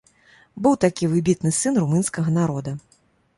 Быў такі выбітны сын румынскага народа.